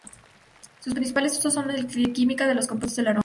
Sus principales usos son en la química de los compuestos del aroma.